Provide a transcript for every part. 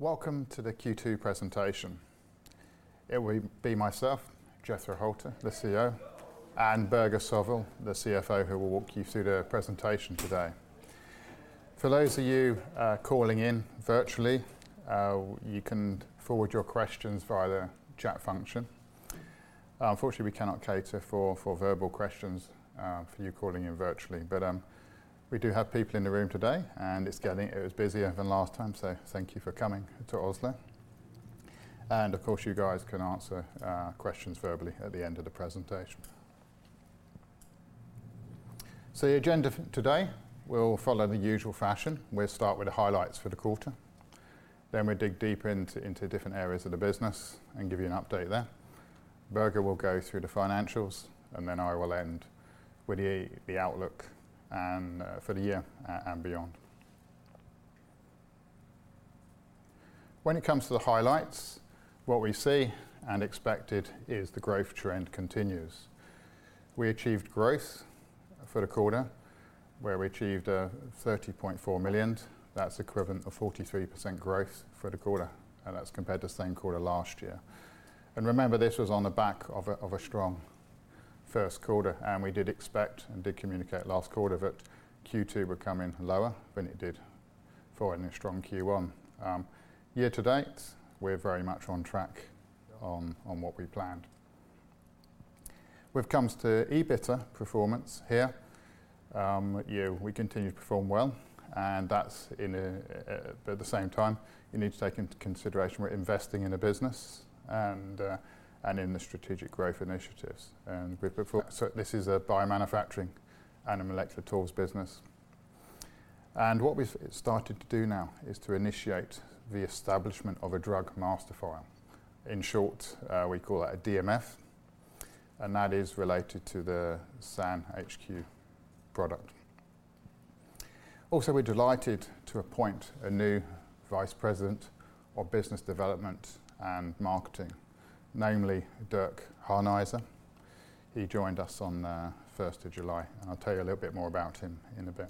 Welcome to the Q2 presentation. It will be myself, Jethro Holter, the CEO, and Børge Sørvoll, the CFO, who will walk you through the presentation today. For those of you calling in virtually, you can forward your questions via the chat function. Unfortunately, we cannot cater for verbal questions for you calling in virtually. We do have people in the room today, and it's busier than last time, so thank you for coming to Oslo. Of course, you guys can answer questions verbally at the end of the presentation. The agenda today will follow the usual fashion. We'll start with the highlights for the quarter. Then we dig deeper into different areas of the business and give you an update there. Børge will go through the financials, and then I will end with the outlook and for the year and beyond. When it comes to the highlights, what we see and expected is the growth trend continues. We achieved growth for the quarter, where we achieved 30.4 million. That's equivalent of 43% growth for the quarter, and that's compared to the same quarter last year. Remember, this was on the back of a strong first quarter, and we did expect and did communicate last quarter that Q2 would come in lower than it did following a strong Q1. Year to date, we're very much on track on what we planned. When it comes to EBITDA performance here, we continue to perform well, and that's in a At the same time, you need to take into consideration we're investing in the business and in the strategic growth initiatives. This is a biomanufacturing and a molecular tools business. What we've started to do now is to initiate the establishment of a drug master file. In short, we call that a DMF, and that is related to the SAN HQ product. Also, we're delighted to appoint a new VP of Business Development and Marketing, namely Dirk Hahneiser. He joined us on the 1st July, and I'll tell you a little bit more about him in a bit.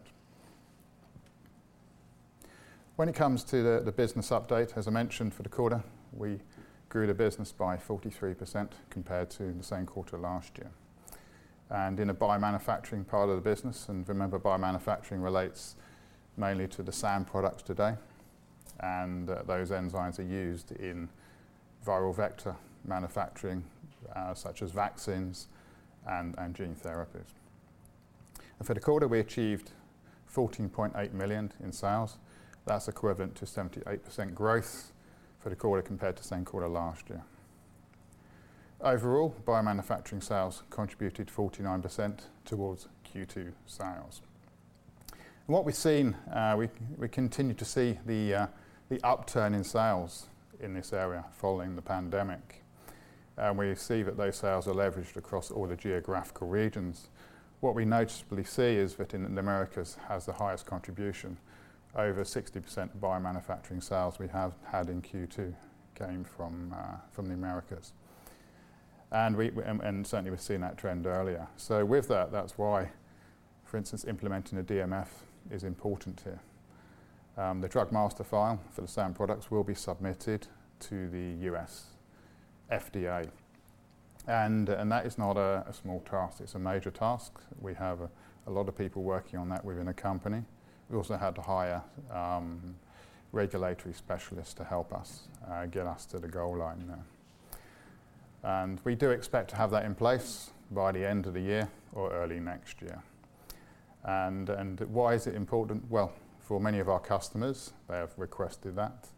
When it comes to the business update, as I mentioned for the quarter, we grew the business by 43% compared to the same quarter last year. In the biomanufacturing part of the business, remember biomanufacturing relates mainly to the SAN products today, and those enzymes are used in viral vector manufacturing, such as vaccines and gene therapies. For the quarter, we achieved 14.8 million in sales. That's equivalent to 78% growth for the quarter compared to same quarter last year. Overall, biomanufacturing sales contributed 49% towards Q2 sales. What we've seen, we continue to see the upturn in sales in this area following the pandemic. We see that those sales are leveraged across all the geographical regions. What we noticeably see is that the Americas has the highest contribution. Over 60% biomanufacturing sales we have had in Q2 came from the Americas. Certainly, we've seen that trend earlier. With that's why, for instance, implementing a DMF is important here. The drug master file for the SAN products will be submitted to the U.S. FDA. That is not a small task. It's a major task. We have a lot of people working on that within the company. We also had to hire regulatory specialists to help us get us to the goal line there. We do expect to have that in place by the end of the year or early next year. Why is it important? Well, for many of our customers, they have requested that,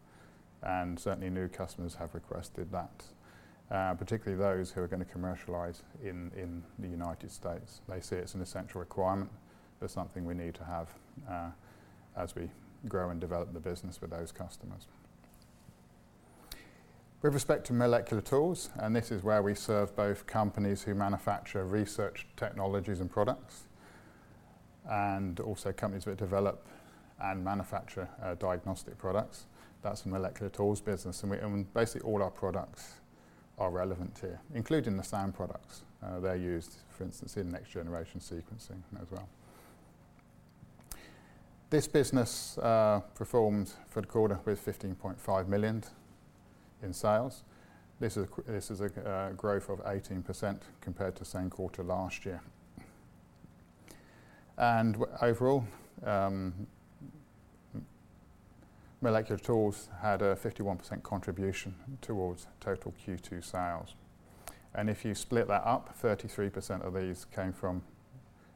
and certainly new customers have requested that, particularly those who are gonna commercialize in the United States. They say it's an essential requirement. That's something we need to have as we grow and develop the business with those customers. With respect to molecular tools, this is where we serve both companies who manufacture research technologies and products, and also companies who develop and manufacture diagnostic products. That's the molecular tools business, and basically all our products are relevant here, including the SAN products. They're used, for instance, in next-generation sequencing as well. This business performed for the quarter with 15.5 million in sales. This is a growth of 18% compared to same quarter last year. Overall, molecular tools had a 51% contribution towards total Q2 sales. If you split that up, 33% of these came from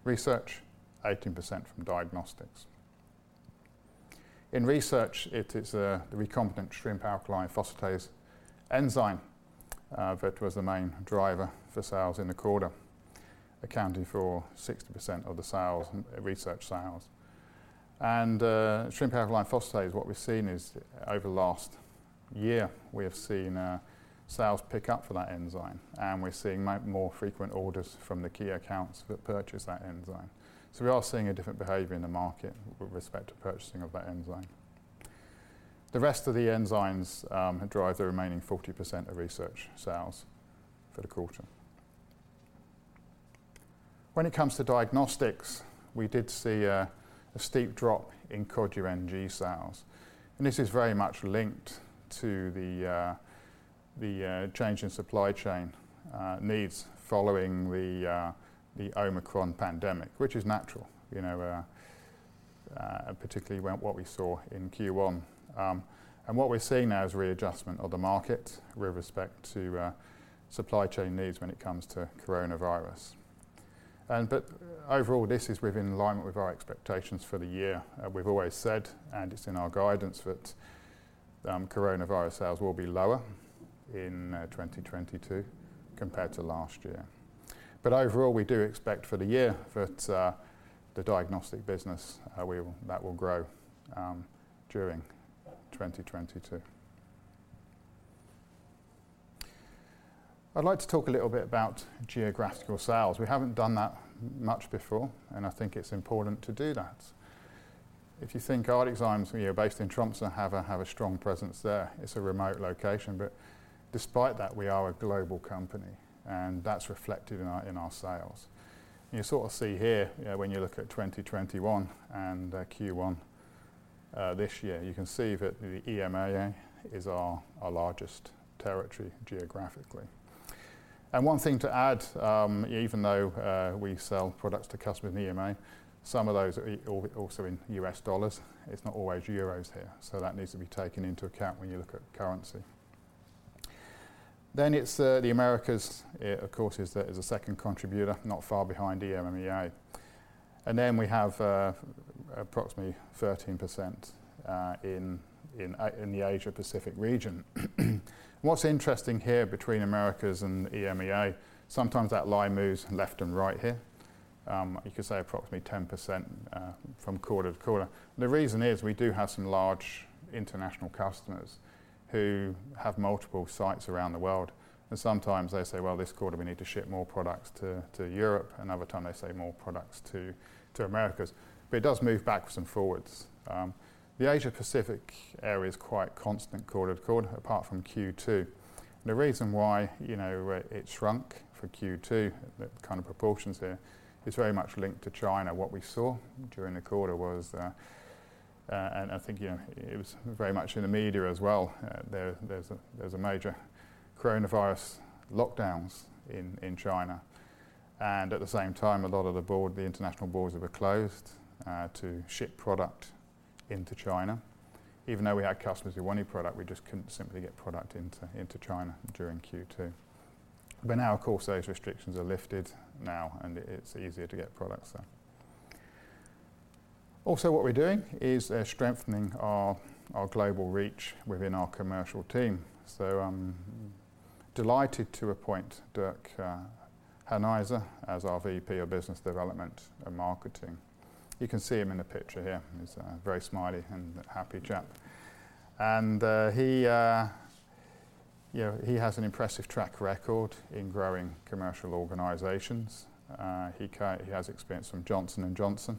research, 18% from diagnostics. In research, it is the recombinant Shrimp Alkaline Phosphatase enzyme that was the main driver for sales in the quarter, accounting for 60% of the sales, research sales. Shrimp Alkaline Phosphatase, what we've seen is over last year, we have seen sales pick up for that enzyme, and we're seeing more frequent orders from the key accounts that purchase that enzyme. We are seeing a different behavior in the market with respect to purchasing of that enzyme. The rest of the enzymes drive the remaining 40% of research sales for the quarter. When it comes to diagnostics, we did see a steep drop in Cod UNG sales, and this is very much linked to the change in supply chain needs following the Omicron pandemic, which is natural, you know, particularly when what we saw in Q1. What we're seeing now is readjustment of the market with respect to supply chain needs when it comes to coronavirus. Overall, this is within alignment with our expectations for the year. We've always said, and it's in our guidance, that coronavirus sales will be lower in 2022 compared to last year. Overall, we do expect for the year that the diagnostic business that will grow during 2022. I'd like to talk a little bit about geographical sales. We haven't done that much before, and I think it's important to do that. If you think ArcticZymes, you know, based in Tromsø, have a strong presence there. It's a remote location, but despite that, we are a global company, and that's reflected in our sales. You sort of see here, when you look at 2021 and Q1 this year, you can see that the EMEA is our largest territory geographically. One thing to add, even though we sell products to customers in EMEA, some of those are also in U.S. dollars. It's not always euros here, so that needs to be taken into account when you look at currency. It's the Americas, of course, is the second contributor, not far behind EMEA. We have approximately 13% in the Asia-Pacific region. What's interesting here between Americas and EMEA, sometimes that line moves left and right here. You could say approximately 10% from quarter to quarter. The reason is we do have some large international customers who have multiple sites around the world, and sometimes they say, "Well, this quarter we need to ship more products to Europe." Another time they say, "More products to Americas." But it does move backwards and forwards. The Asia-Pacific area is quite constant quarter to quarter, apart from Q2. The reason why, you know, it shrunk for Q2, the kind of proportions here, is very much linked to China. What we saw during the quarter was, and I think, you know, it was very much in the media as well, there's a major coronavirus lockdowns in China. At the same time, a lot of the borders were closed to ship product into China. Even though we had customers who wanted product, we just couldn't simply get product into China during Q2. Now, of course, those restrictions are lifted now, and it's easier to get products there. Also, what we're doing is strengthening our global reach within our commercial team. I'm delighted to appoint Dirk Hahneiser as our VP of Business Development and Marketing. You can see him in the picture here. He's a very smiley and happy chap. You know, he has an impressive track record in growing commercial organizations. He has experience from Johnson & Johnson,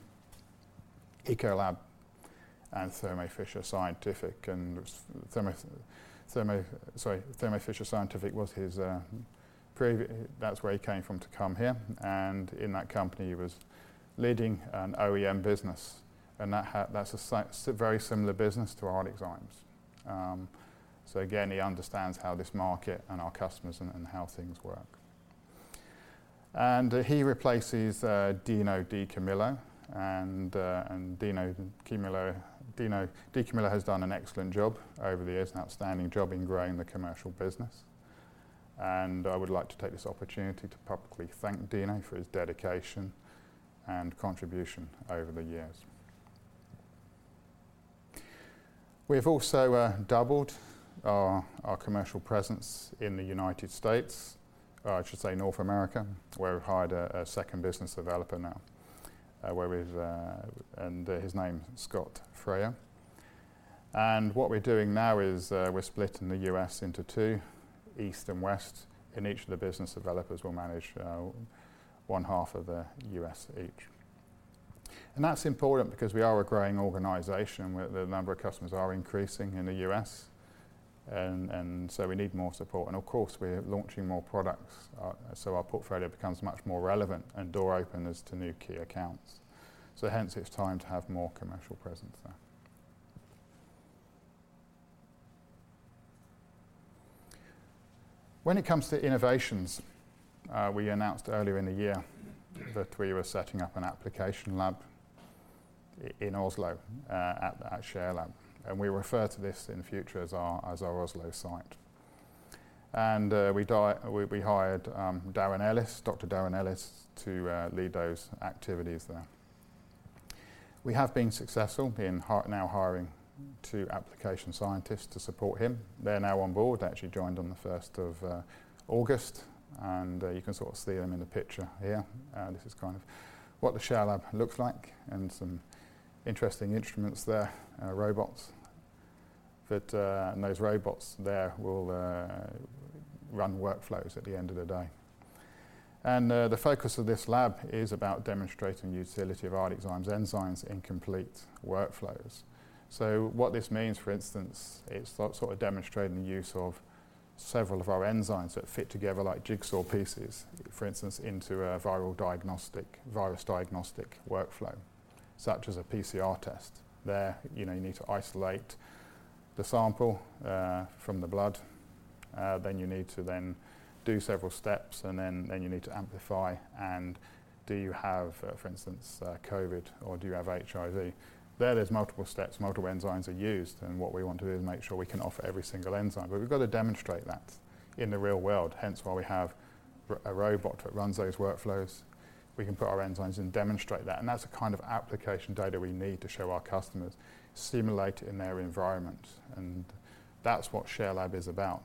Ecolab, and Thermo Fisher Scientific, and Thermo Fisher Scientific was his. That's where he came from to come here, and in that company, he was leading an OEM business, and that's a very similar business to ArcticZymes. Again, he understands how this market and our customers and how things work. He replaces Dino DiCamillo. Dino DiCamillo has done an excellent job over the years, an outstanding job in growing the commercial business. I would like to take this opportunity to publicly thank Dino for his dedication and contribution over the years. We've also doubled our commercial presence in the U.S., or I should say North America, where we've hired a second business developer now, and his name's Scott Freya. What we're doing now is we're splitting the U.S. into two, east and west, and each of the business developers will manage one half of the U.S. each. That's important because we are a growing organization where the number of customers are increasing in the U.S., and so we need more support. Of course, we're launching more products, so our portfolio becomes much more relevant and door openers to new key accounts. Hence, it's time to have more commercial presence there. When it comes to innovations, we announced earlier in the year that we were setting up an application lab in Oslo at ShareLab, and we refer to this in the future as our Oslo site. We hired Darren Ellis, Dr. Darren Ellis, to lead those activities there. We have been successful in now hiring two application scientists to support him. They're now on board. They actually joined on the first of August, and you can sort of see them in the picture here. This is kind of what the ShareLab looks like and some interesting instruments there. Robots, and those robots there will run workflows at the end of the day. The focus of this lab is about demonstrating the utility of ArcticZymes enzymes in complete workflows. What this means, for instance, it's sort of demonstrating the use of several of our enzymes that fit together like jigsaw pieces, for instance, into a viral diagnostic, virus diagnostic workflow, such as a PCR test. There, you know, you need to isolate the sample from the blood, then you need to do several steps, and then you need to amplify, and do you have, for instance, COVID or do you have HIV? There's multiple steps, multiple enzymes are used, and what we want to do is make sure we can offer every single enzyme. We've got to demonstrate that in the real world, hence why we have a robot that runs those workflows. We can put our enzymes in, demonstrate that, and that's the kind of application data we need to show our customers simulated in their environment, and that's what ShareLab is about.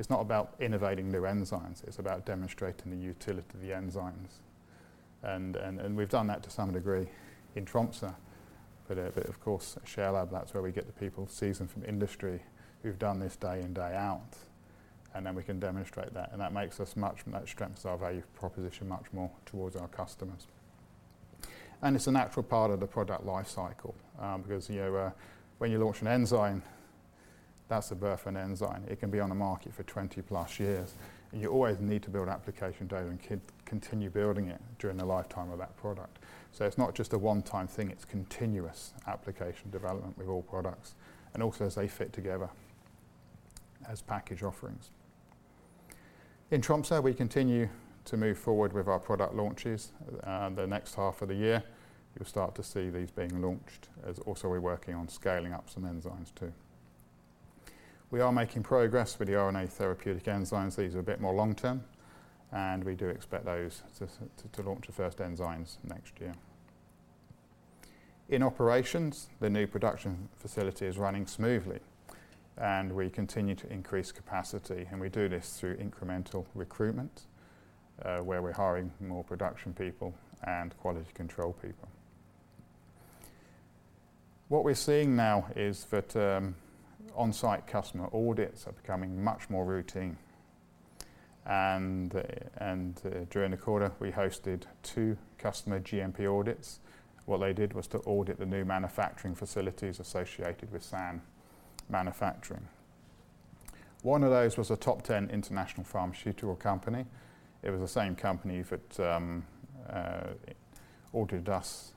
It's not about innovating new enzymes, it's about demonstrating the utility of the enzymes. We've done that to some degree in Tromsø. But of course at ShareLab, that's where we get the people seasoned from industry who've done this day in, day out, and then we can demonstrate that. That strengthens our value proposition much more towards our customers. It's a natural part of the product life cycle, because, you know, when you launch an enzyme, that's the birth of an enzyme. It can be on the market for 20+ years, and you always need to build application data and continue building it during the lifetime of that product. It's not just a one-time thing, it's continuous application development with all products, and also as they fit together as package offerings. In Tromsø, we continue to move forward with our product launches. The next half of the year you'll start to see these being launched as also we're working on scaling up some enzymes too. We are making progress with the RNA therapeutic enzymes. These are a bit more long-term, and we do expect those to launch the first enzymes next year. In operations, the new production facility is running smoothly, and we continue to increase capacity, and we do this through incremental recruitment, where we're hiring more production people and quality control people. What we're seeing now is that on-site customer audits are becoming much more routine, and during the quarter, we hosted two customer GMP audits. What they did was to audit the new manufacturing facilities associated with SAN manufacturing. One of those was a top 10 international pharmaceutical company. It was the same company that audited us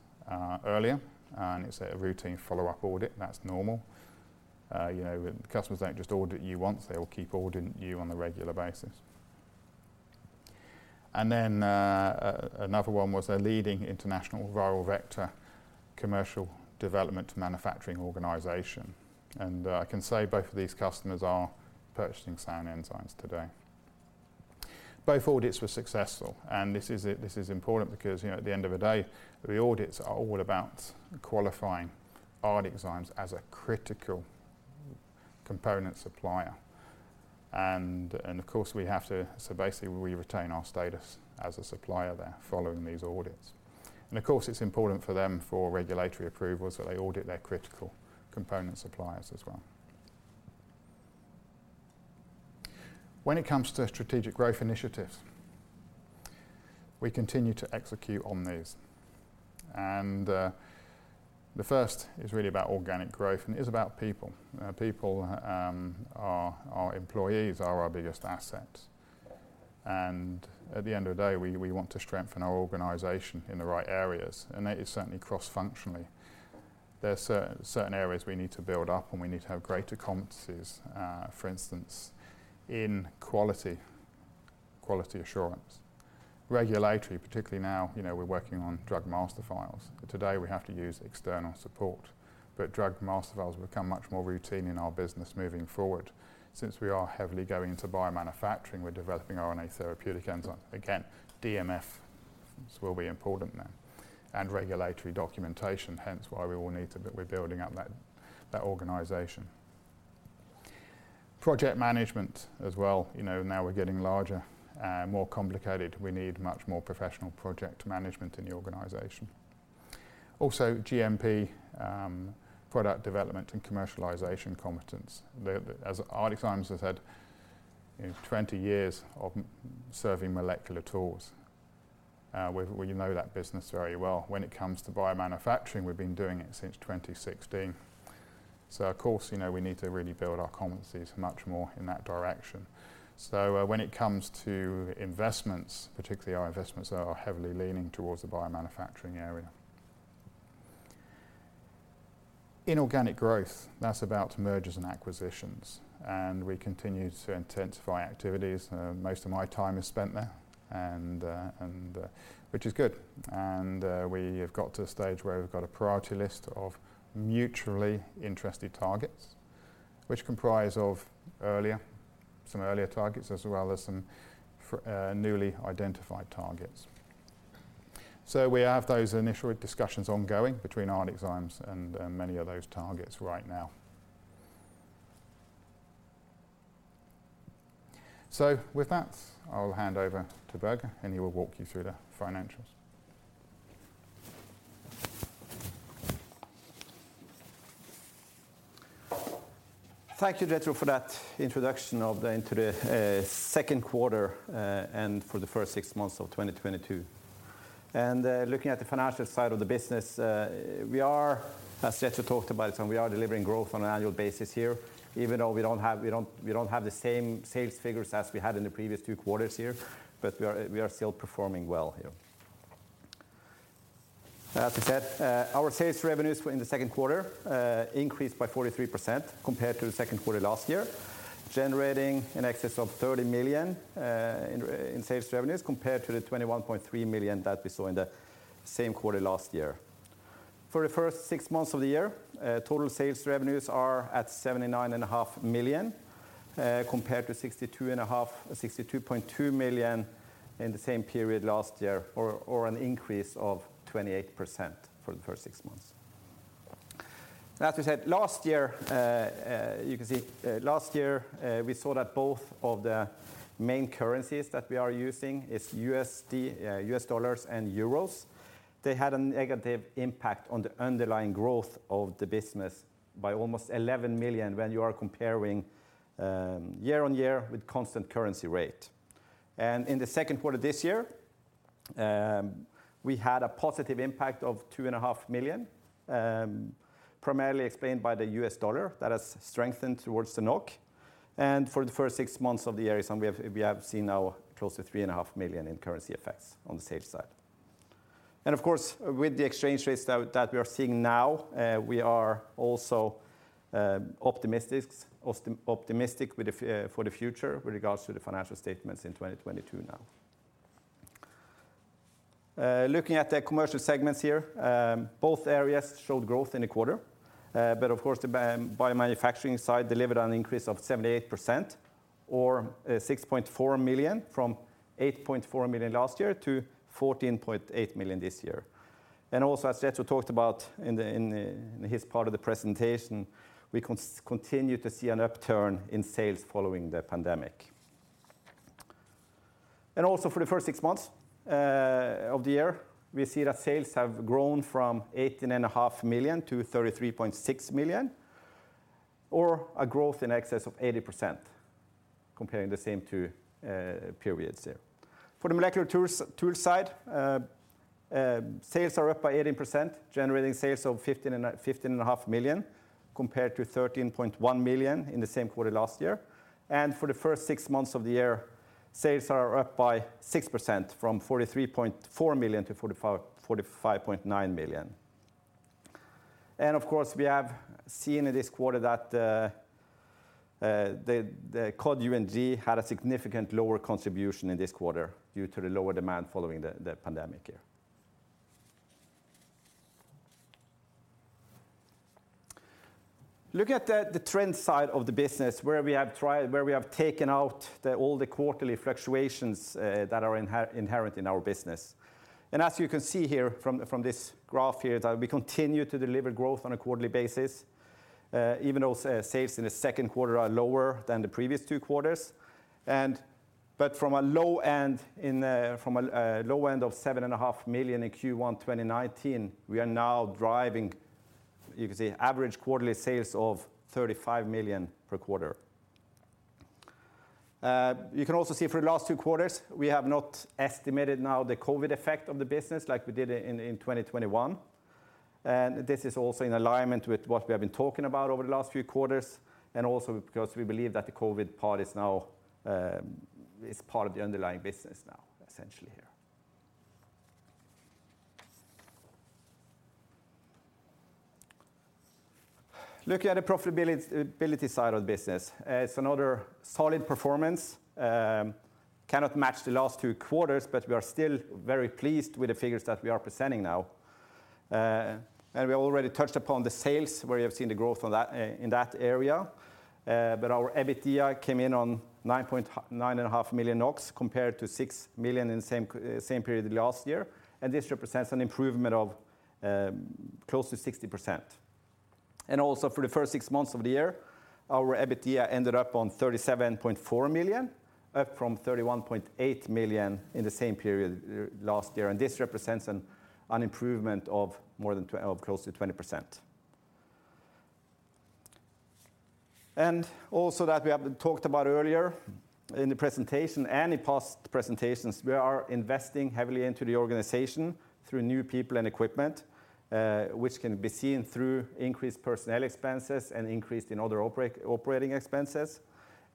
earlier, and it's a routine follow-up audit, and that's normal. You know, customers don't just audit you once, they will keep auditing you on a regular basis. Another one was a leading international viral vector commercial development manufacturing organization. I can say both of these customers are purchasing SAN enzymes today. Both audits were successful, and this is important because, you know, at the end of the day, the audits are all about qualifying ArcticZymes as a critical component supplier. Basically we retain our status as a supplier there following these audits. Of course it's important for them for regulatory approvals that they audit their critical component suppliers as well. When it comes to strategic growth initiatives, we continue to execute on these. The first is really about organic growth, and it is about people. People, our employees are our biggest asset. At the end of the day, we want to strengthen our organization in the right areas, and that is certainly cross-functionally. There are certain areas we need to build up, and we need to have greater competencies, for instance, in quality assurance. Regulatory, particularly now, you know, we're working on Drug Master Files. Today, we have to use external support, but Drug Master Files will become much more routine in our business moving forward. Since we are heavily going into biomanufacturing, we're developing RNA therapeutic enzyme. Again, DMFs will be important now, and regulatory documentation, hence why we're building up that organization. Project management as well. You know, now we're getting larger, more complicated. We need much more professional project management in the organization. Also, GMP, product development and commercialization competence. As ArcticZymes has had 20 years of serving molecular tools, you know, we know that business very well. When it comes to biomanufacturing, we've been doing it since 2016. Of course, you know, we need to really build our competencies much more in that direction. When it comes to investments, particularly our investments are heavily leaning towards the biomanufacturing area. Inorganic growth, that's about mergers and acquisitions, and we continue to intensify activities. Most of my time is spent there and, which is good. We have got to a stage where we've got a priority list of mutually interested targets, which comprise of some earlier targets, as well as some newly identified targets. We have those initial discussions ongoing between ArcticZymes and many of those targets right now. With that, I'll hand over to Børge, and he will walk you through the financials. Thank you, Jethro, for that introduction into the Q2, and for the first six months of 2022. Looking at the financial side of the business, we are, as Jethro talked about some, we are delivering growth on an annual basis here, even though we don't have the same sales figures as we had in the previous two quarters here, but we are still performing well here. Our sales revenues for the second quarter increased by 43% compared to the Q2 last year, generating in excess of 30 million in sales revenues compared to the 21.3 million that we saw in the same quarter last year. For the first six months of the year, total sales revenues are at 79.5 million, compared to 62.2 million in the same period last year or an increase of 28% for the first six months. As we said last year, you can see last year, we saw that both of the main currencies that we are using is USD, U.S. dollars and euros. They had a negative impact on the underlying growth of the business by almost 11 million when you are comparing year-on-year with constant currency rate. In the Q2 this year, we had a positive impact of 2.5 million, primarily explained by the U.S. dollar that has strengthened towards the NOK. For the first six months of the year, we have seen now close to 3.5 million in currency effects on the sales side. Of course, with the exchange rates that we are seeing now, we are also optimistic for the future with regards to the financial statements in 2022 now. Looking at the commercial segments here, both areas showed growth in the quarter. Of course the biomanufacturing side delivered an increase of 78% or 6.4 million from 8.4 million last year to 14.8 million this year. Also, as Kjetil talked about in his part of the presentation, we continue to see an upturn in sales following the pandemic. Also for the first six months of the year, we see that sales have grown from 18.5 million to 33.6 million, or a growth in excess of 80% comparing the same two periods here. For the molecular tools side, sales are up by 18%, generating sales of 15.5 million compared to 13.1 million in the same quarter last year. For the first six months of the year, sales are up by 6% from 43.4 million to 45.9 million. Of course, we have seen in this quarter that the Cod UNG had a significant lower contribution in this quarter due to the lower demand following the pandemic year. Look at the trend side of the business where we have taken out all the quarterly fluctuations that are inherent in our business. As you can see here from this graph here, we continue to deliver growth on a quarterly basis, even though sales in the second quarter are lower than the previous two quarters. From a low end of seven and a half million in Q1 2019, we are now driving. You can see average quarterly sales of 35 million per quarter. You can also see for the last two quarters, we have not estimated now the COVID effect of the business like we did in 2021. This is also in alignment with what we have been talking about over the last few quarters, and also because we believe that the COVID part is now part of the underlying business now, essentially here. Looking at the profitability side of the business, it's another solid performance. Cannot match the last two quarters, but we are still very pleased with the figures that we are presenting now. We already touched upon the sales, where we have seen the growth on that, in that area. But our EBITDA came in on 9.5 million NOK compared to 6 million in the same period last year, and this represents an improvement of close to 60%. For the first six months of the year, our EBITDA ended up on 37.4 million, up from 31.8 million in the same period last year. This represents an improvement of close to 20%. We have talked about earlier in the presentation and in past presentations that we are investing heavily into the organization through new people and equipment, which can be seen through increased personnel expenses and increased in other operating expenses.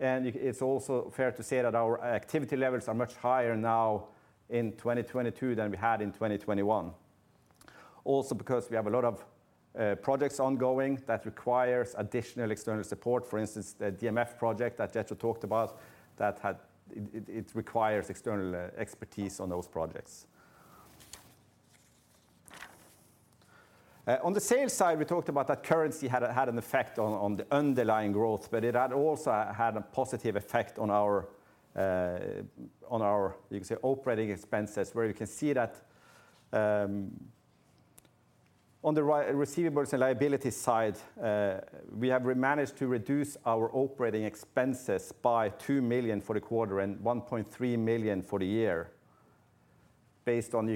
It's also fair to say that our activity levels are much higher now in 2022 than we had in 2021. Because we have a lot of projects ongoing that requires additional external support. For instance, the DMF project that Jethro Holter talked about. It requires external expertise on those projects. On the sales side, we talked about that currency had an effect on the underlying growth, but it had also a positive effect on our, you can say, operating expenses, where you can see that on the receivables and liability side, we have managed to reduce our operating expenses by 2 million for the quarter and 1.3 million for the year based on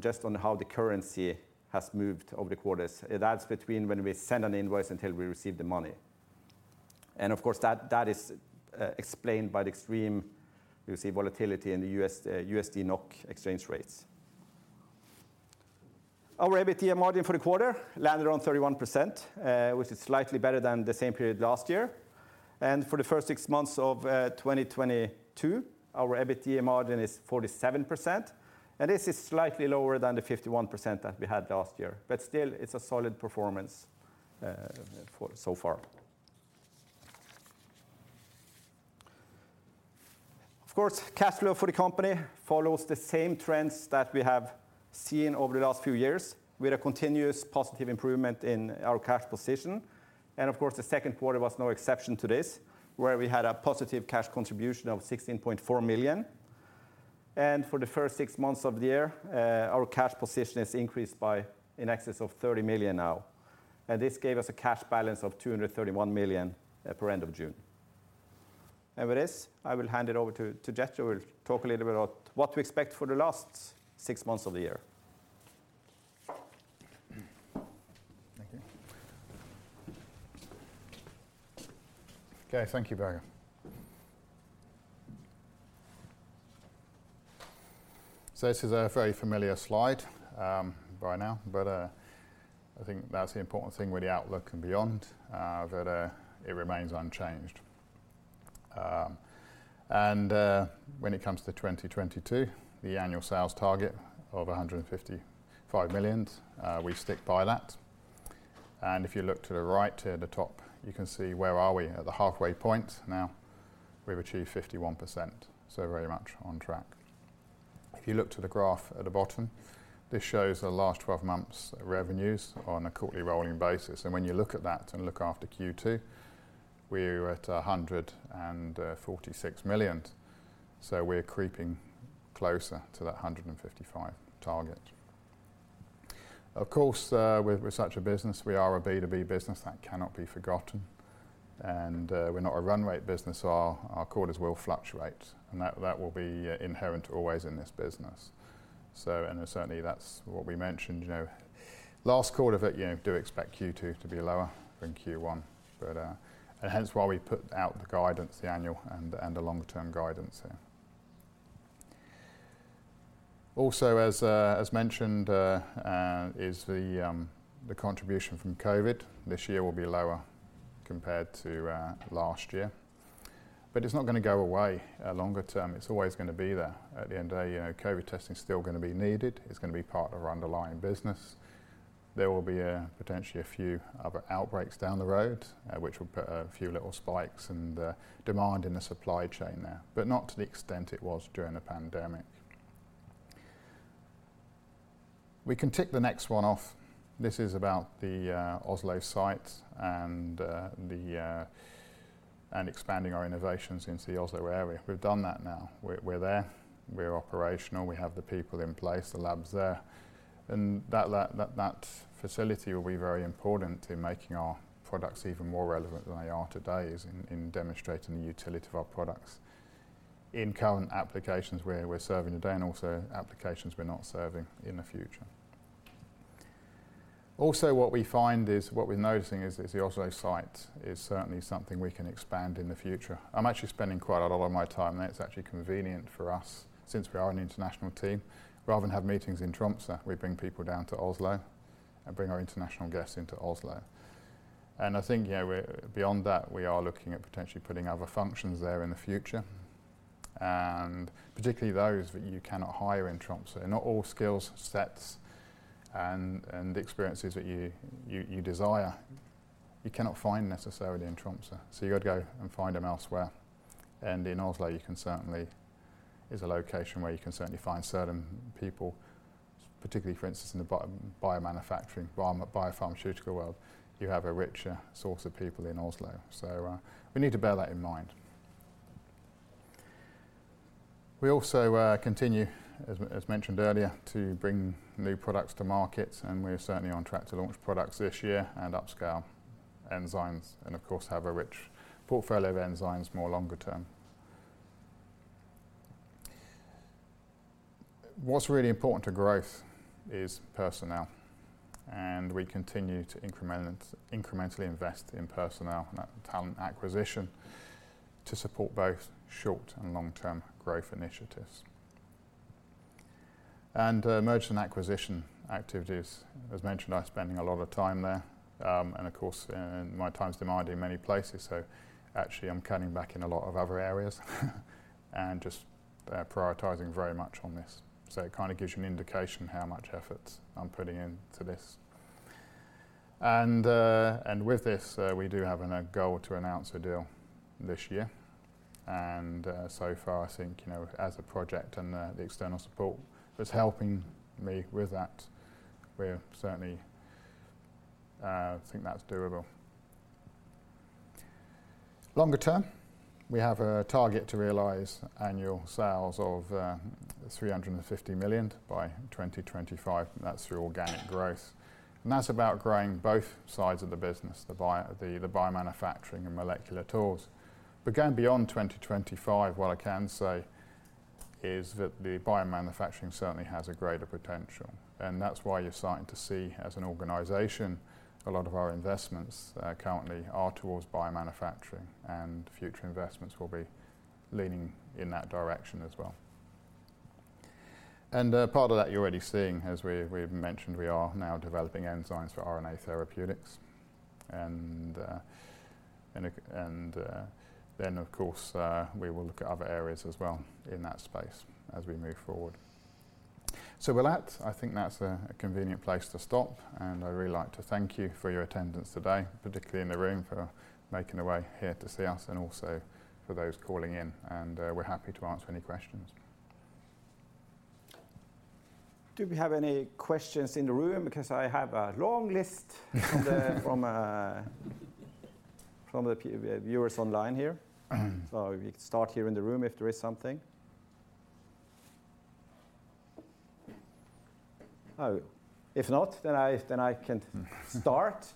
just how the currency has moved over the quarters. That's between when we send an invoice until we receive the money. Of course, that is explained by the extreme, you see, volatility in the USD-NOK exchange rates. Our EBITDA margin for the quarter landed around 31%, which is slightly better than the same period last year. For the first six months of 2022, our EBITDA margin is 47%, and this is slightly lower than the 51% that we had last year. Still, it's a solid performance for so far. Of course, cash flow for the company follows the same trends that we have seen over the last few years with a continuous positive improvement in our cash position. Of course, the second quarter was no exception to this, where we had a positive cash contribution of 16.4 million. For the first six months of the year, our cash position has increased by in excess of 30 million now. This gave us a cash balance of 231 million for end of June. With this, I will hand it over to Jethro who will talk a little bit about what to expect for the last six months of the year. Thank you. Okay, thank you, Børge. This is a very familiar slide by now, but I think that's the important thing with the outlook and beyond that it remains unchanged. When it comes to 2022, the annual sales target of 155 million we stick by that. If you look to the right at the top, you can see where are we at the halfway point now. We've achieved 51%, so very much on track. If you look to the graph at the bottom, this shows the last 12 months revenues on a quarterly rolling basis. When you look at that and look after Q2, we're at 146 million. We're creeping closer to that 155 million target. Of course, with such a business, we are a B2B business, that cannot be forgotten. We're not a run rate business, so our quarters will fluctuate, and that will be inherent always in this business. Certainly that's what we mentioned, you know. Last quarter, you know, do expect Q2 to be lower than Q1, but and hence why we put out the guidance, the annual and the longer-term guidance here. Also, as mentioned, is the contribution from COVID. This year will be lower compared to last year, but it's not gonna go away longer term. It's always gonna be there. At the end of the day, you know, COVID testing is still gonna be needed. It's gonna be part of our underlying business. There will be potentially a few other outbreaks down the road, which will put a few little spikes and demand in the supply chain there, but not to the extent it was during the pandemic. We can tick the next one off. This is about the Oslo site and expanding our innovations into the Oslo area. We've done that now. We're there. We're operational. We have the people in place, the labs there. That facility will be very important in making our products even more relevant than they are today, in demonstrating the utility of our products in current applications where we're serving today and also applications we're not serving in the future. What we're noticing is the Oslo site is certainly something we can expand in the future. I'm actually spending quite a lot of my time there. It's actually convenient for us, since we are an international team. Rather than have meetings in Tromsø, we bring people down to Oslo and bring our international guests into Oslo. I think, you know, beyond that, we are looking at potentially putting other functions there in the future, and particularly those that you cannot hire in Tromsø. Not all skills sets and experiences that you desire, you cannot find necessarily in Tromsø. You've got to go and find them elsewhere. In Oslo, you can certainly is a location where you can certainly find certain people, particularly, for instance, in the biomanufacturing, biopharmaceutical world. You have a richer source of people in Oslo. We need to bear that in mind. We also continue, as mentioned earlier, to bring new products to market, and we're certainly on track to launch products this year and upscale enzymes and of course have a rich portfolio of enzymes more longer term. What's really important to growth is personnel, and we continue to incrementally invest in personnel and talent acquisition to support both short and long-term growth initiatives. Merger and acquisition activities. As mentioned, I'm spending a lot of time there, and of course, my time's demanded in many places, so actually I'm cutting back in a lot of other areas and just prioritizing very much on this. It kind of gives you an indication how much effort I'm putting into this. With this, we do have a goal to announce a deal this year. So far I think, you know, as a project and the external support that's helping me with that, we certainly think that's doable. Longer term, we have a target to realize annual sales of 350 million by 2025. That's through organic growth. That's about growing both sides of the business, the biomanufacturing and molecular tools. Going beyond 2025, what I can say is that the biomanufacturing certainly has a greater potential, and that's why you're starting to see, as an organization, a lot of our investments currently are towards biomanufacturing, and future investments will be leaning in that direction as well. Part of that you're already seeing, as we've mentioned, we are now developing enzymes for RNA therapeutics. then of course, we will look at other areas as well in that space as we move forward. With that, I think that's a convenient place to stop, and I'd really like to thank you for your attendance today, particularly in the room, for making your way here to see us and also for those calling in. We're happy to answer any questions. Do we have any questions in the room? Because I have a long list from the viewers online here. We could start here in the room if there is something. Oh, if not, then I can start.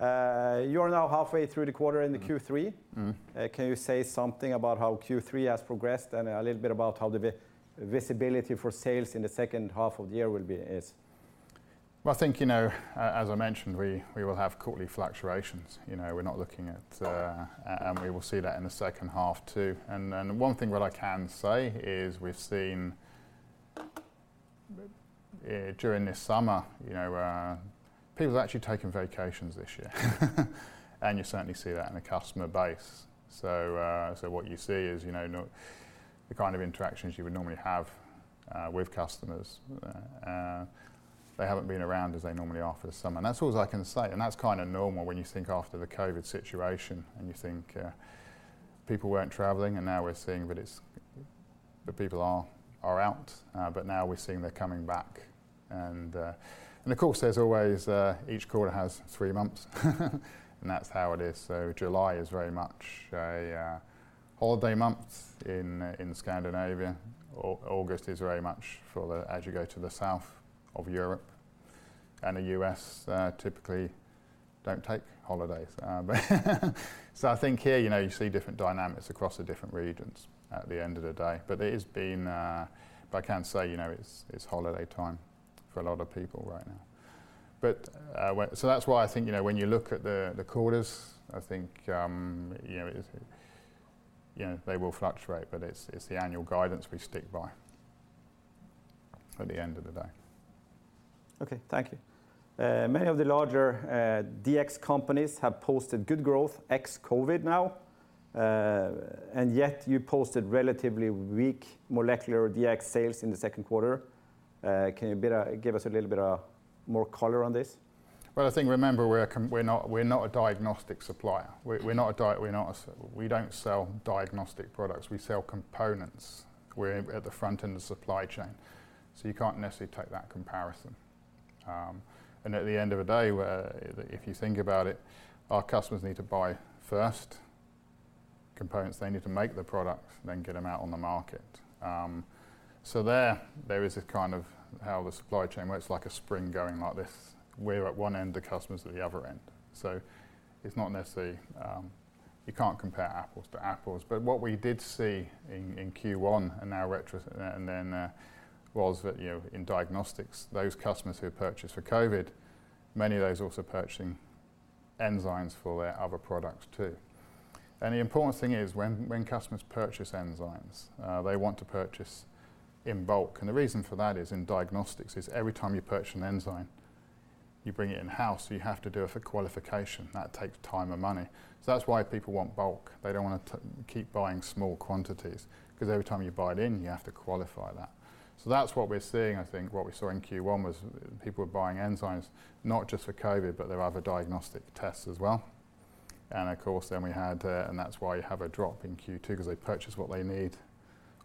You're now halfway through the quarter in the Q3. Mm-hmm. Can you say something about how Q3 has progressed and a little bit about how the visibility for sales in the second half of the year will be? Well, I think, you know, as I mentioned, we will have quarterly fluctuations. You know, we're not looking at, and we will see that in the second half too. Then one thing what I can say is we've seen, during this summer, you know, people have actually taken vacations this year and you certainly see that in the customer base. So what you see is, you know, not the kind of interactions you would normally have, with customers. They haven't been around as they normally are for the summer. That's all I can say. That's kind of normal when you think after the COVID situation and you think, people weren't traveling, and now we're seeing that the people are out, but now we're seeing they're coming back. Of course, there's always each quarter has three months, and that's how it is. July is very much a holiday month in Scandinavia. August is very much as you go to the south of Europe. The U.S. typically don't take holidays. I think here, you know, you see different dynamics across the different regions at the end of the day. I can say, you know, it's holiday time for a lot of people right now. That's why I think, you know, when you look at the quarters, I think, you know, they will fluctuate, but it's the annual guidance we stick by at the end of the day. Okay. Thank you. Many of the larger Dx companies have posted good growth ex-COVID now. Yet you posted relatively weak molecular Dx sales in the second quarter. Can you better give us a little bit more color on this? Well, I think remember we're not a diagnostic supplier. We're not, we don't sell diagnostic products. We sell components. We're at the front end of the supply chain. You can't necessarily take that comparison. At the end of the day, if you think about it, our customers need to buy first components, they need to make the products, then get them out on the market. There is a kind of how the supply chain works, like a spring going like this. We're at one end, the customers at the other end. It's not necessarily, you can't compare apples to apples. What we did see in Q1, and now, in retrospect, and then was that, you know, in diagnostics, those customers who had purchased for COVID, many of those also purchasing enzymes for their other products too. The important thing is when customers purchase enzymes, they want to purchase in bulk. The reason for that is in diagnostics every time you purchase an enzyme, you bring it in-house, so you have to do a qualification. That takes time and money. That's why people want bulk. They don't want to keep buying small quantities, 'cause every time you buy it in, you have to qualify that. That's what we're seeing. I think what we saw in Q1 was people were buying enzymes, not just for COVID, but their other diagnostic tests as well. Of course then we had, and that's why you have a drop in Q2, 'cause they purchased what they need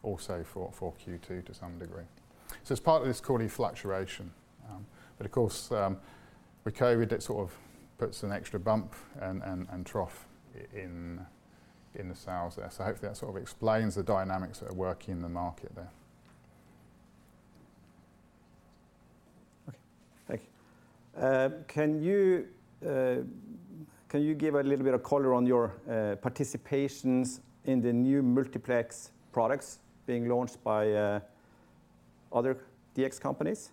also for Q2 to some degree. It's partly this quarterly fluctuation. Of course, with COVID, it sort of puts an extra bump and trough in the sales there. Hopefully that sort of explains the dynamics that are working in the market there. Okay. Thank you. Can you give a little bit of color on your participations in the new multiplex products being launched by other DX companies?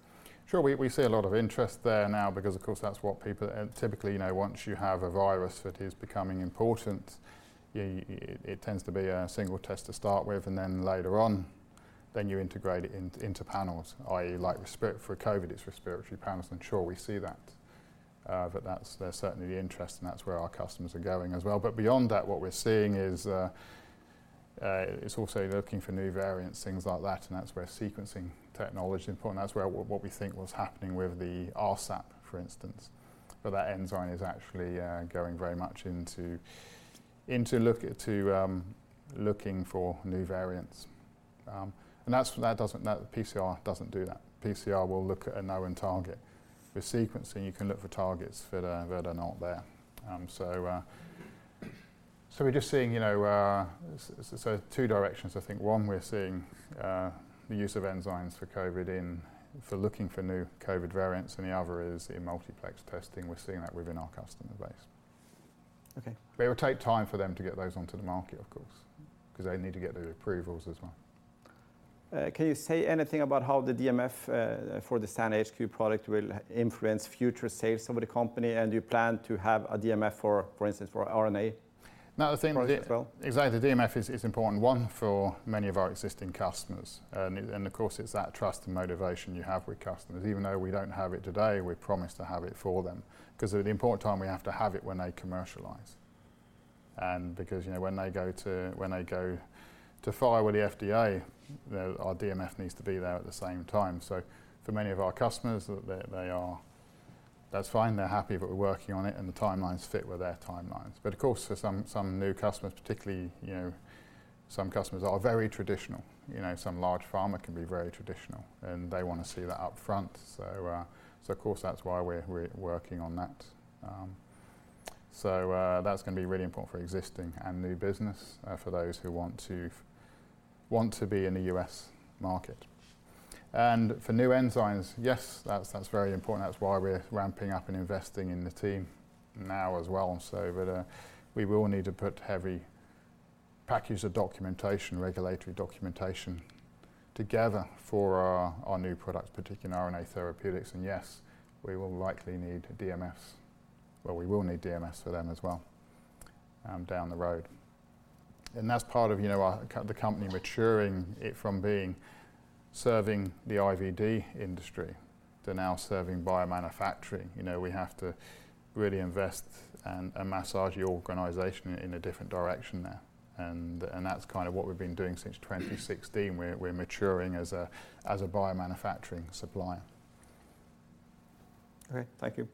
Sure. We see a lot of interest there now because of course that's what people. Typically, you know, once you have a virus that is becoming important, it tends to be a single test to start with, and then later on, you integrate it into panels, i.e. like for COVID, it's respiratory panels, and sure, we see that. That's, there's certainly interest and that's where our customers are going as well. Beyond that, what we're seeing is, it's also looking for new variants, things like that, and that's where sequencing technology is important. That's where what we think what's happening with the rSAP, for instance. That enzyme is actually going very much into looking for new variants. That's that PCR doesn't do that. PCR will look at a known target. With sequencing, you can look for targets that are not there. We're just seeing, you know, two directions. I think, one, we're seeing the use of enzymes for COVID for looking for new COVID variants, and the other is in multiplex testing. We're seeing that within our customer base. Okay. It will take time for them to get those onto the market, of course, 'cause they need to get the approvals as well. Can you say anything about how the DMF for the SAN HQ product will influence future sales of the company? Do you plan to have a DMF for instance for RNA- Now the thing with it. Project as well? Exactly. DMF is important one for many of our existing customers. Of course, it's that trust and motivation you have with customers. Even though we don't have it today, we promise to have it for them. 'Cause at the important time, we have to have it when they commercialize. Because, you know, when they go to file with the FDA, our DMF needs to be there at the same time. For many of our customers, they're happy that we're working on it, and the timelines fit with their timelines. Of course, for some new customers, particularly, you know, some customers are very traditional. You know, some large pharma can be very traditional, and they wanna see that up front. Of course, that's why we're working on that. That's gonna be really important for existing and new business, for those who want to be in the U.S. market. For new enzymes, yes, that's very important. That's why we're ramping up and investing in the team now as well. We will need to put heavy package of documentation, regulatory documentation together for our new products, particularly in RNA therapeutics. Yes, we will likely need DMFs. We will need DMFs for them as well, down the road. That's part of, you know, our the company maturing it from being serving the IVD industry to now serving biomanufacturing. You know, we have to really invest and massage the organization in a different direction now, and that's kind of what we've been doing since 2016. We're maturing as a biomanufacturing supplier. Okay. Thank you.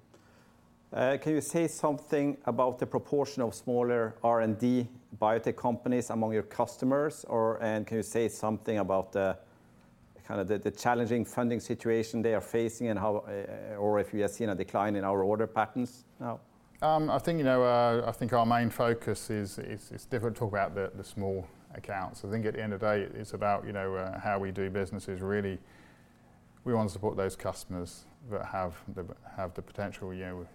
Can you say something about the proportion of smaller R&D biotech companies among your customers? Can you say something about the kind of challenging funding situation they are facing and how or if you have seen a decline in our order patterns now? I think, you know, I think our main focus is. It's difficult to talk about the small accounts. I think at the end of the day, it's about, you know, how we do business is really we wanna support those customers that have the potential, you know,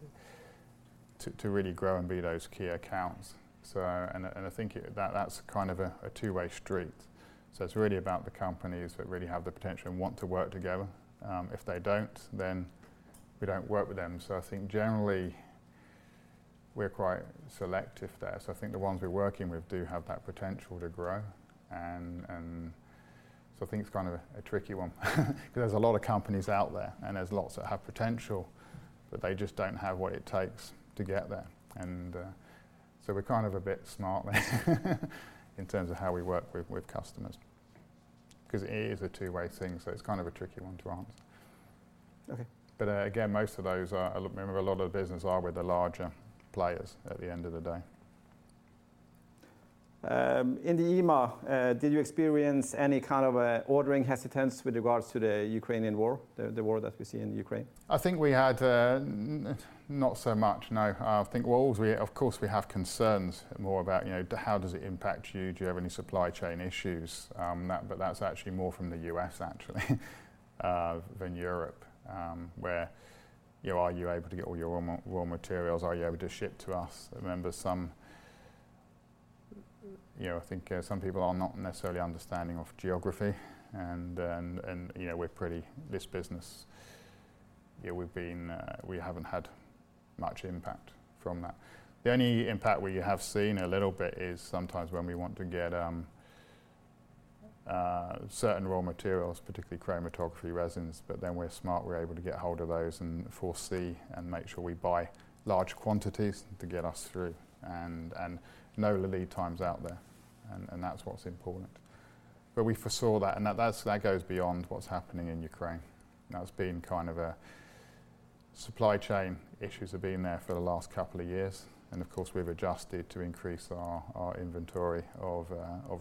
to really grow and be those key accounts. I think it's kind of a two-way street. It's really about the companies that really have the potential and want to work together. If they don't, then we don't work with them. I think generally we're quite selective there. I think the ones we're working with do have that potential to grow and so I think it's kind of a tricky one because there's a lot of companies out there, and there's lots that have potential, but they just don't have what it takes to get there. We're kind of a bit smart in terms of how we work with customers 'cause it is a two-way thing, so it's kind of a tricky one to answer. Okay. again, most of those are, remember, a lot of the business are with the larger players at the end of the day. In the EMEA, did you experience any kind of ordering hesitance with regards to the Ukrainian war, the war that we see in Ukraine? I think we had not so much, no. Of course, we have concerns more about, you know, how does it impact you? Do you have any supply chain issues? That, but that's actually more from the U.S. actually than Europe, where, you know, "Are you able to get all your raw materials? Are you able to ship to us?" Remember some, you know, I think some people are not necessarily understanding of geography and, you know, we're pretty. This business, yeah, we've been, we haven't had much impact from that. The only impact we have seen a little bit is sometimes when we want to get certain raw materials, particularly chromatography resins. We're smart, we're able to get hold of those and foresee and make sure we buy large quantities to get us through and know the lead times out there and that's what's important. We foresaw that, and that goes beyond what's happening in Ukraine. That's been kind of a supply chain issues have been there for the last couple of years, and of course, we've adjusted to increase our inventory of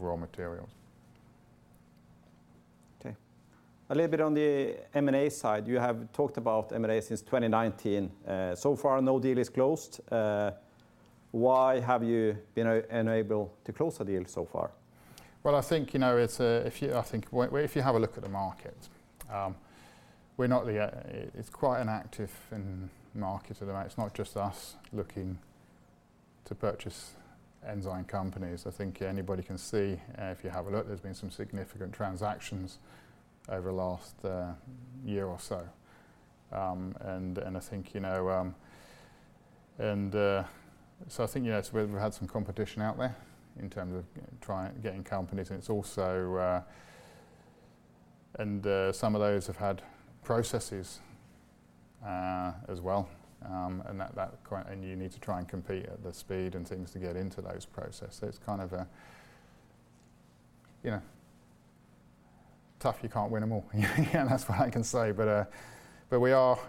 raw materials. Okay. A little bit on the M&A side. You have talked about M&A since 2019. So far, no deal is closed. Why have you been unable to close a deal so far? Well, I think, you know, if you have a look at the market, we're not the only. It's quite an active market at the moment. It's not just us looking to purchase enzyme companies. I think anybody can see, if you have a look, there's been some significant transactions over the last year or so. I think, you know, we've had some competition out there in terms of trying to get companies, and it's also some of those have had processes as well, and that's quite. You need to try and compete at the speed and things to get into those processes. It's kind of a, you know, tough. You can't win them all. That's what I can say. We've had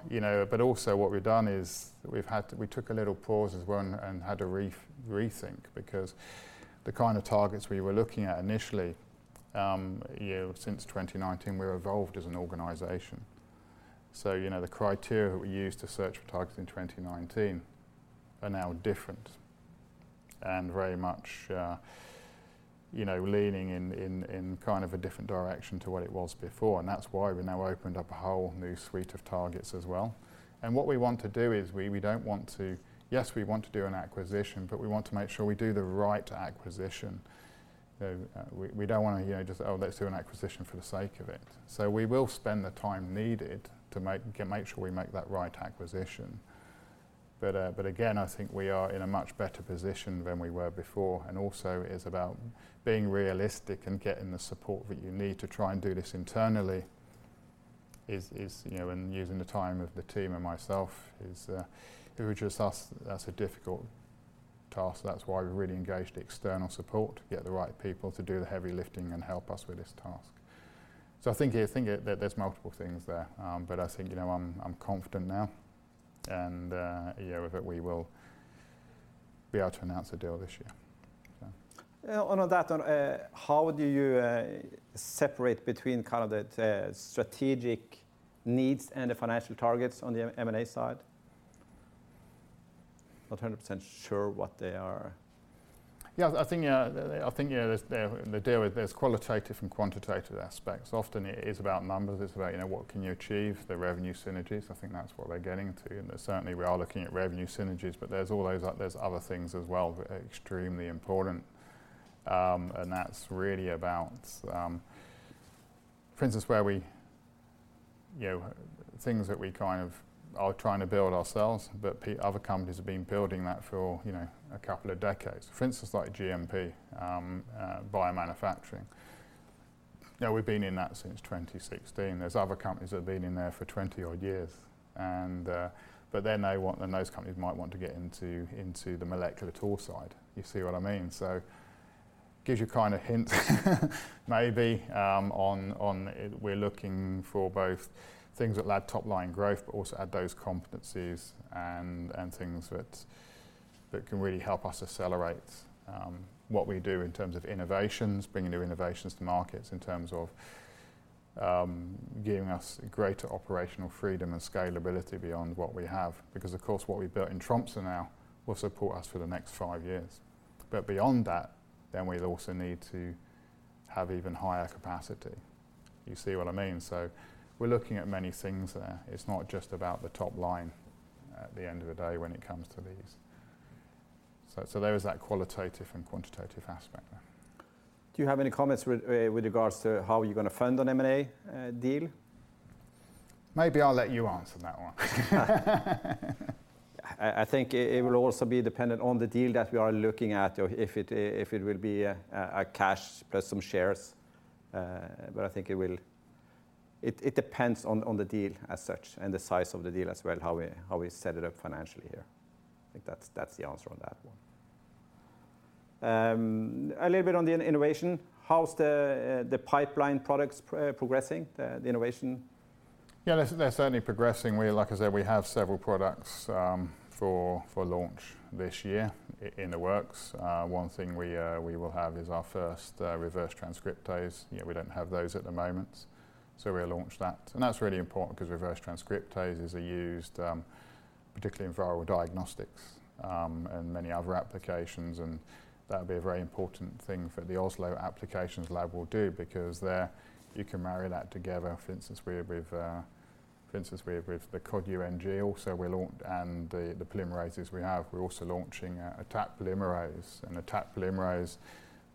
a little pause as well and had a rethink because the kind of targets we were looking at initially, you know, since 2019, we've evolved as an organization. The criteria that we used to search for targets in 2019 are now different and very much leaning in kind of a different direction to what it was before, and that's why we now opened up a whole new suite of targets as well. What we want to do is we don't want to. Yes, we want to do an acquisition, but we want to make sure we do the right acquisition. You know, we don't wanna, you know, just, "Oh, let's do an acquisition for the sake of it." We will spend the time needed to make sure we make that right acquisition. Again, I think we are in a much better position than we were before, and also it's about being realistic and getting the support that you need to try and do this internally is, you know, and using the time of the team and myself is, if it were just us, that's a difficult task. That's why we really engaged external support to get the right people to do the heavy lifting and help us with this task. I think there's multiple things there. I think, you know, I'm confident now and that we will be able to announce a deal this year. Yeah. On that one, how do you separate between kind of the strategic needs and the financial targets on the M&A side? Not hundred percent sure what they are. I think, you know, there's qualitative and quantitative aspects. Often, it is about numbers. It's about, you know, what can you achieve, the revenue synergies. I think that's what we're getting to, and certainly we are looking at revenue synergies, but there's all those other things as well that are extremely important. That's really about, for instance, where we, you know, things that we kind of are trying to build ourselves, but other companies have been building that for, you know, a couple of decades. For instance, like GMP, biomanufacturing. You know, we've been in that since 2016. There's other companies that have been in there for 20-odd years, and but then they want and those companies might want to get into the molecular tools side. You see what I mean? It gives you a kind of hint maybe, on it. We're looking for both things that add top-line growth, but also add those competencies and things that can really help us accelerate what we do in terms of innovations, bringing new innovations to markets in terms of giving us greater operational freedom and scalability beyond what we have. Because of course, what we've built in Tromsø now will support us for the next five years. Beyond that, we'll also need to have even higher capacity. You see what I mean? We're looking at many things there. It's not just about the top line at the end of the day when it comes to these. There is that qualitative and quantitative aspect there. Do you have any comments with regards to how you're gonna fund an M&A deal? Maybe I'll let you answer that one. I think it will also be dependent on the deal that we are looking at or if it will be a cash plus some shares. It depends on the deal as such and the size of the deal as well, how we set it up financially here. I think that's the answer on that one. A little bit on the innovation. How's the pipeline products progressing, the innovation? Yeah. They're certainly progressing. Like I said, we have several products for launch this year in the works. One thing we will have is our first reverse transcriptase. You know, we don't have those at the moment. We'll launch that, and that's really important because reverse transcriptases are used particularly in viral diagnostics and many other applications. That'll be a very important thing for the Oslo Applications Lab will do because there you can marry that together. For instance, we're with the Cod UNG. Also, we're launching and the polymerases we have. We're also launching a AZtaq polymerase. AZtaq polymerase,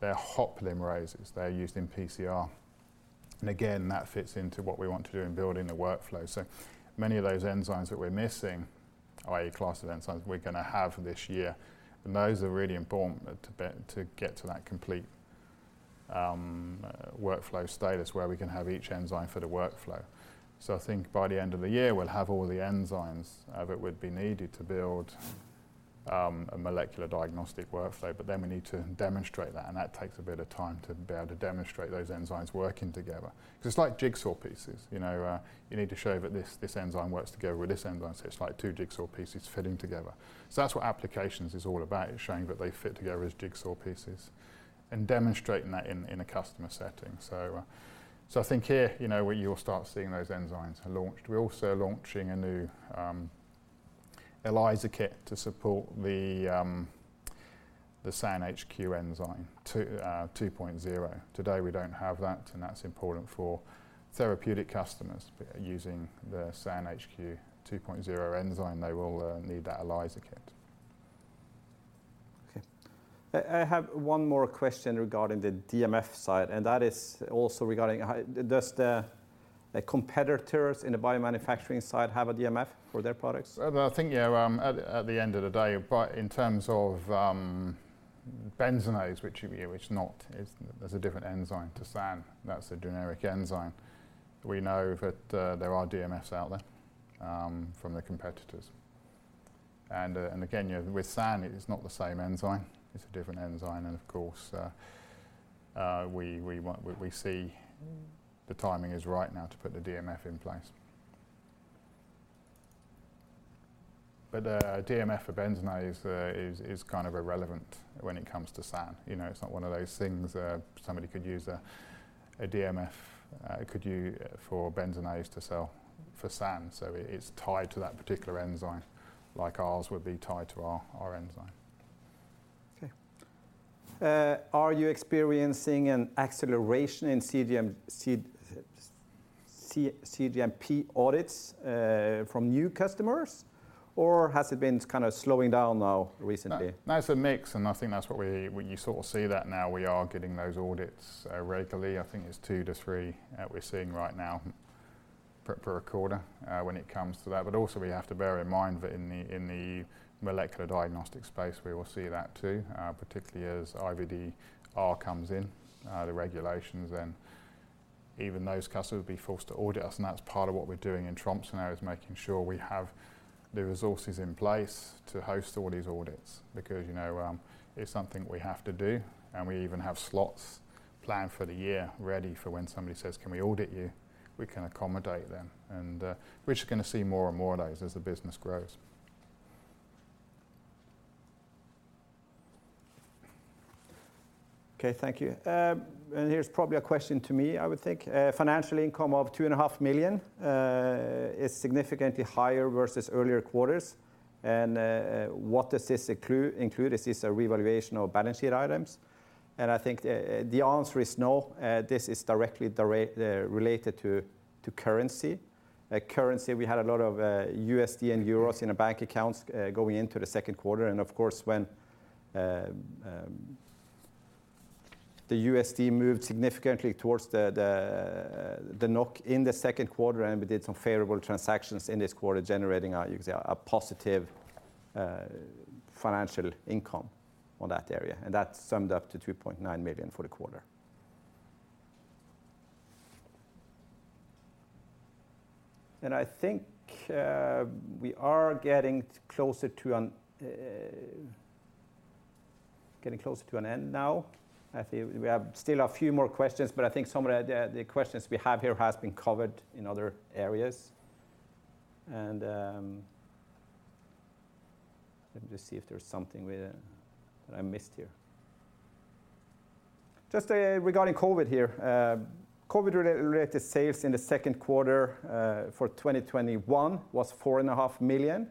they're hot polymerases. They're used in PCR. Again, that fits into what we want to do in building the workflow. Many of those enzymes that we're missing, i.e. Class of enzymes we're gonna have this year, and those are really important to get to that complete workflow status where we can have each enzyme for the workflow. I think by the end of the year, we'll have all the enzymes that would be needed to build a molecular diagnostic workflow, but then we need to demonstrate that, and that takes a bit of time to be able to demonstrate those enzymes working together. 'Cause it's like jigsaw pieces, you know. You need to show that this enzyme works together with this enzyme. It's like two jigsaw pieces fitting together. That's what applications is all about. It's showing that they fit together as jigsaw pieces and demonstrating that in a customer setting. I think here, you know, you'll start seeing those enzymes launched. We're also launching a new ELISA kit to support the SAN HQ 2.0 enzyme. Today, we don't have that, and that's important for therapeutic customers. Using the SAN HQ 2.0 enzyme, they will need that ELISA kit. Okay. I have one more question regarding the DMF side, and that is also regarding how does the competitors in the biomanufacturing side have a DMF for their products? Well, I think, yeah, at the end of the day, but in terms of Benzonase, which is not, it's, there's a different enzyme to SAN. That's a generic enzyme. We know that there are DMFs out there from the competitors. And again, you know, with SAN, it is not the same enzyme. It's a different enzyme and of course we see the timing is right now to put the DMF in place. A DMF for Benzonase is kind of irrelevant when it comes to SAN. You know, it's not one of those things somebody could use a DMF could for Benzonase to sell for SAN. It's tied to that particular enzyme, like ours would be tied to our enzyme. Okay. Are you experiencing an acceleration in CGMP audits from new customers, or has it been sort of slowing down now recently? No, no, it's a mix, and I think that's what you sort of see that now. We are getting those audits regularly. I think it's 2-3 we're seeing right now per quarter when it comes to that. we have to bear in mind that in the molecular diagnostic space, we will see that too, particularly as IVDR comes in, the regulations, then even those customers will be forced to audit us, and that's part of what we're doing in Tromsø now is making sure we have the resources in place to host all these audits because, you know, it's something we have to do, and we even have slots planned for the year ready for when somebody says, "Can we audit you?" We can accommodate them and, we're just gonna see more and more of those as the business grows. Okay, thank you. Here's probably a question to me, I would think. Financial income of 2.5 million is significantly higher versus earlier quarters. What does this include? Is this a revaluation of balance sheet items? I think the answer is no. This is directly related to currency. We had a lot of USD and euros in our bank accounts going into the second quarter, and of course, when the USD moved significantly towards the NOK in the second quarter, and we did some favorable transactions in this quarter generating, you could say, a positive financial income on that area, and that summed up to 2.9 million for the quarter. I think we are getting closer to an end now. I think we have still a few more questions, but I think some of the questions we have here has been covered in other areas. Let me just see if there's something we that I missed here. Just regarding COVID here. COVID-related sales in the second quarter for 2021 was four and a half million.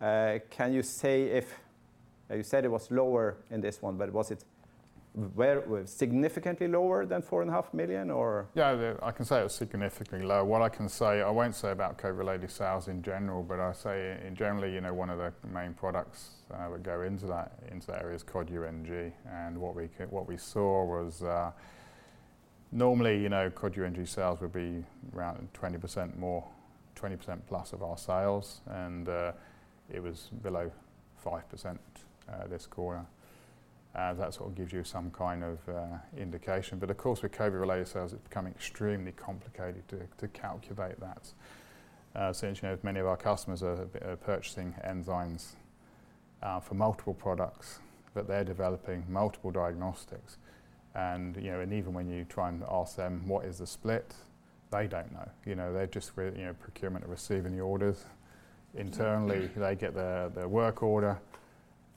Can you say if you said it was lower in this one, but was it significantly lower than four and a half million or? Yeah, I can say it was significantly lower. What I can say, I won't say about COVID-related sales in general, but in general, you know, one of the main products that would go into that area is Cod UNG. And what we saw was, normally, you know, Cod UNG sales would be around 20% more, 20% plus of our sales, and it was below 5% this quarter. That's what gives you some kind of indication. But of course, with COVID-related sales, it's become extremely complicated to calculate that. Since, you know, many of our customers are purchasing enzymes for multiple products, but they're developing multiple diagnostics and even when you try and ask them, what is the split? They don't know. You know, they're just where, you know, procurement are receiving the orders. Internally, they get their work order,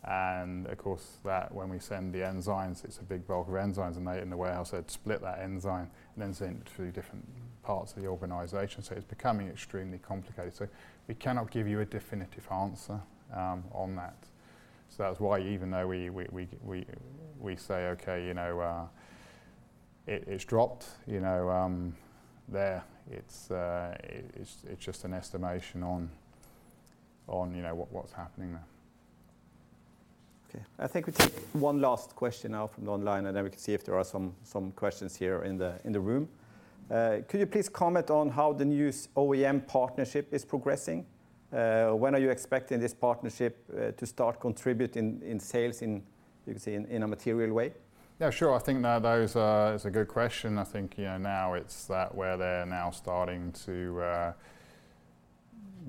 and of course, that when we send the enzymes, it's a big bulk of enzymes and they in the warehouse had to split that enzyme and then send it to different parts of the organization. It's becoming extremely complicated. We cannot give you a definitive answer, on that. That's why even though we say, "Okay, you know, it's dropped," you know, there it's just an estimation on, you know, what's happening there. Okay. I think we take one last question now from the online, and then we can see if there are some questions here in the room. Could you please comment on how the new OEM partnership is progressing? When are you expecting this partnership to start contributing in sales in, you could say, in a material way? Yeah, sure. It's a good question. I think, you know, now it's that where they're now starting to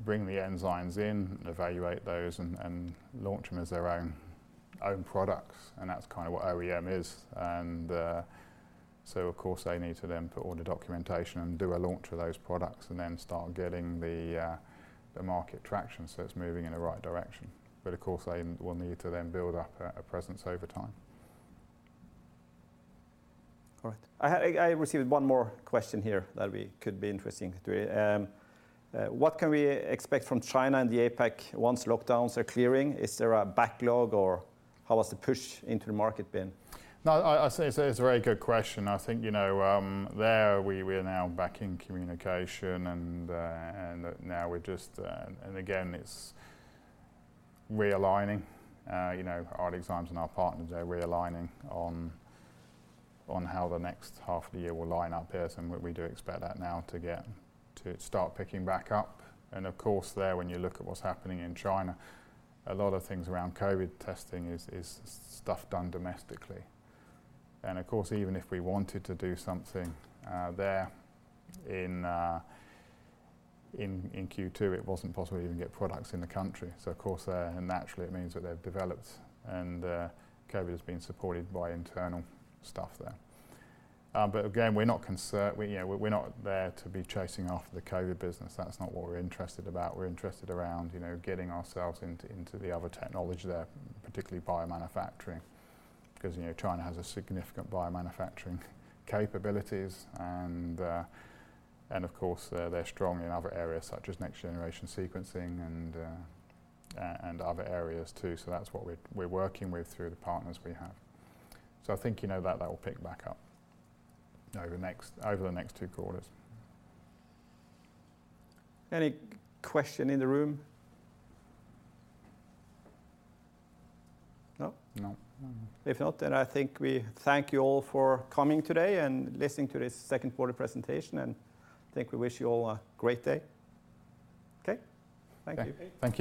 bring the enzymes in and evaluate those and launch them as their own products, and that's kind of what OEM is. So of course, they need to then put all the documentation and do a launch of those products and then start getting the market traction, so it's moving in the right direction. Of course, they will need to then build up a presence over time. All right. I received one more question here that could be interesting to, what can we expect from China and the APAC once lockdowns are clearing? Is there a backlog or how has the push into the market been? No, I say it's a very good question. I think, you know, we are now back in communication and now we're just and again it's realigning, you know, our teams and our partners are realigning on how the next half of the year will line up there, and we do expect that now to start picking back up. Of course, when you look at what's happening in China, a lot of things around COVID testing is stuff done domestically. Of course, even if we wanted to do something there in Q2, it wasn't possible to even get products in the country. Of course there, naturally it means that they've developed and COVID has been supported by internal stuff there. Again, we're not there to be chasing after the COVID business. That's not what we're interested about. We're interested around, you know, getting ourselves into the other technology there, particularly biomanufacturing, 'cause, you know, China has a significant biomanufacturing capabilities and of course, they're strong in other areas such as next-generation sequencing and other areas too. That's what we're working with through the partners we have. I think, you know, that will pick back up over the next two quarters. Any question in the room? No? No. If not, then I think we thank you all for coming today and listening to this second quarter presentation, and I think we wish you all a great day. Okay. Thank you. Thank you.